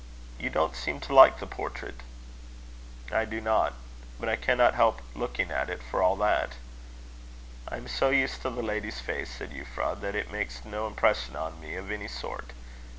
You don't seem to like the portrait." "I do not; but I cannot help looking at it, for all that." "I am so used to the lady's face," said Euphra, "that it makes no impression on me of any sort.